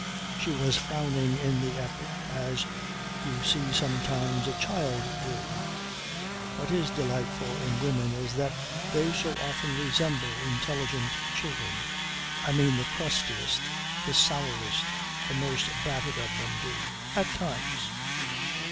She was frowning in the effort as you see sometimes a child do (what is delightful in women is that they so often resemble intelligent children I mean the crustiest, the sourest, the most battered of them do at times).